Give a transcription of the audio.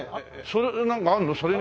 それなんかあるの？